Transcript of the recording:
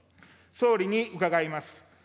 総理に伺います。